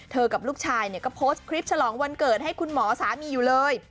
กับลูกชายเนี่ยก็โพสต์คลิปฉลองวันเกิดให้คุณหมอสามีอยู่เลย